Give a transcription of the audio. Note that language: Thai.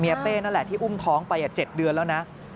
เป้นั่นแหละที่อุ้มท้องไป๗เดือนแล้วนะ